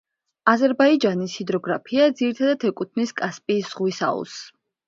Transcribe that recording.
აზერბაიჯანის ჰიდროგრაფია ძირითადად ეკუთვნის კასპიის ზღვის აუზს.